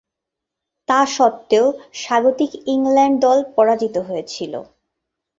তাস্বত্ত্বেও স্বাগতিক ইংল্যান্ড দল পরাজিত হয়েছিল।